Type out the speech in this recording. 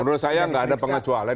menurut saya nggak ada pengecualian